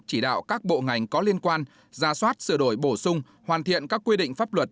chỉ đạo các bộ ngành có liên quan ra soát sửa đổi bổ sung hoàn thiện các quy định pháp luật